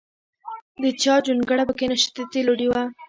د چا جونګړه پکې نشته د تېلو ډیوه.